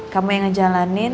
kamu yang ngejalanin